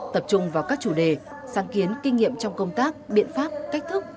tập trung vào các chủ đề sáng kiến kinh nghiệm trong công tác biện pháp cách thức